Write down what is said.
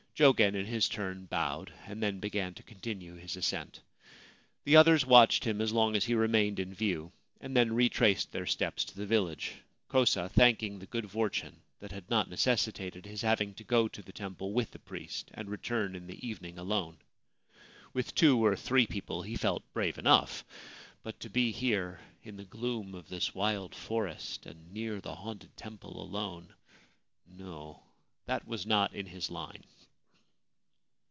Jogen in his turn bowed, and then began to continue his ascent. The others watched him as long as he remained in view, and then retraced their steps to the village ; Kosa thanking the good fortune that had not necessitated his having to go to the temple with the priest and return in the evening alone. With two or three people he felt brave enough ; but to be here in the gloom of this wild forest and near the haunted temple alone — no : that was not in his line.